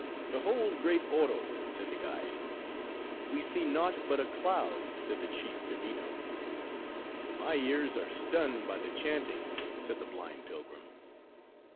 "Behold great Oro," said the guide. "We see naught but a cloud," said the chief Divino. "My ears are stunned by the chanting," said the blind pilgrim.